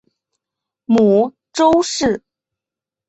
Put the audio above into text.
母邹氏。